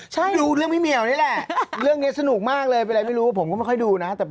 ใช่ดูเรื่องพี่เหมียวนี่แหละเรื่องนี้สนุกมากเลยเป็นอะไรไม่รู้ผมก็ไม่ค่อยดูนะ